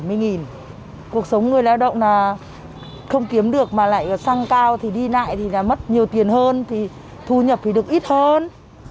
cuộc sống người lao động là không kiếm được mà lại xăng cao thì đi lại thì là mất nhiều tiền hơn thì thu nhập thì được ít hơn